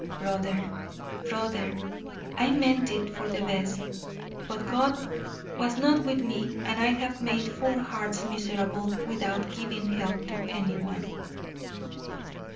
Brother, brother, I meant it for the best, but God was not with me and I have made four hearts miserable without giving help to anyone.